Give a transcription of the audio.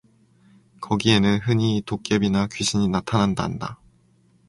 거기에는 흔히 도깨비나 귀신이 나타난다 한다.